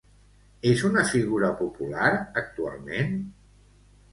És una figura popular actualment?